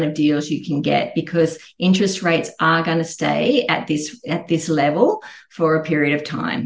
karena harga keuntungan akan tetap di sini untuk sepanjang waktu